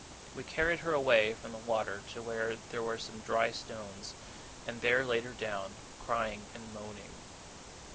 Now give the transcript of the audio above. We carried her away from the water to where there were some dry stones, and there laid her down, crying and moaning.